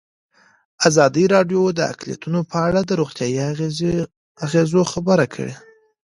ازادي راډیو د اقلیتونه په اړه د روغتیایي اغېزو خبره کړې.